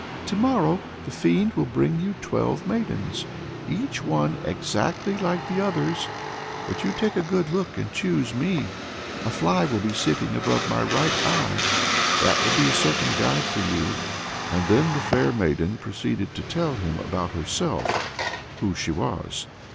"To morrow the fiend will bring you twelve maidens, each one exactly like the others. But you take a good look and choose me. A fly will be sitting above my right eye that will be a certain guide for you." And then the fair maiden proceeded to tell him about herself, who she was.